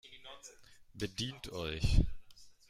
Bedient euch